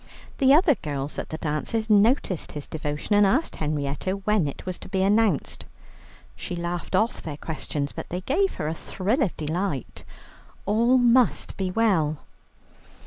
The other girls at the dances noticed his devotion, and asked Henrietta when it was to be announced. She laughed off their questions, but they gave her a thrill of delight. All must be well.